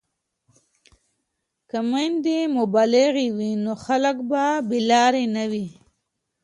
که میندې مبلغې وي نو خلک به بې لارې نه وي.